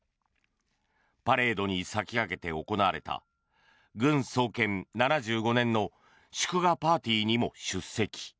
パレードに先駆けて行われた軍創建７５年の祝賀パーティーにも出席。